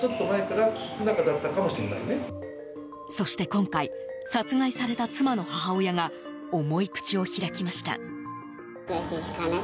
そして今回、殺害された妻の母親が重い口を開きました。